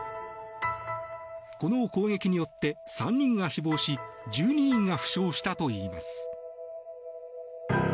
この攻撃によって３人が死亡し１２人が負傷したといいます。